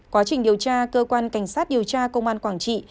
quá trình điều tra cơ quan cảnh sát điều tra công an quảng trị